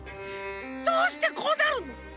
どうしてこうなるの！？